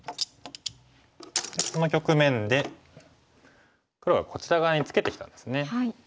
この局面で黒がこちら側にツケてきたんですね。